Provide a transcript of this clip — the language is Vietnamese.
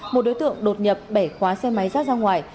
một đối tượng đột nhập bẻ khóa xe máy rác ra ngoài